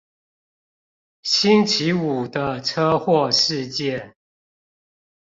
星期五的車禍事件